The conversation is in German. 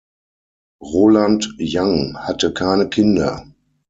Roland Young hatte keine Kinder.